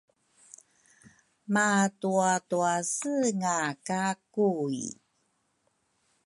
matuatausenga ka Kui.